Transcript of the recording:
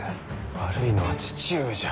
悪いのは父上じゃ。